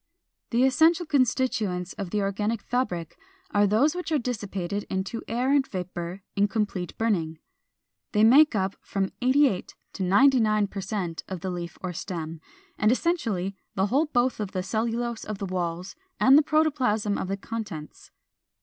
The essential constituents of the organic fabric are those which are dissipated into air and vapor in complete burning. They make up from 88 to 99 per cent of the leaf or stem, and essentially the whole both of the cellulose of the walls and the protoplasm of the contents.